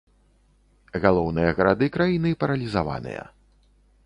Галоўныя гарады краіны паралізаваныя.